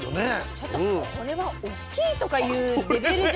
ちょっとこれはおっきいとかいうレベルじゃ。